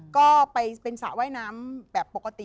ก็ไปเป็นสระว่ายน้ำแบบปกติ